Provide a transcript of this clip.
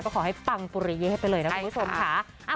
ขอให้ปังปุริเย่ไปเลยนะคุณผู้ชมค่ะ